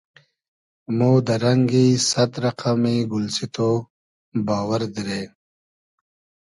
مۉ دۂ رئنگی سئد رئقئمی گولسیتۉ باوئر دیرې